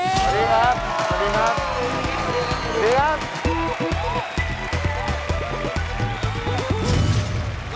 สวัสดีครับ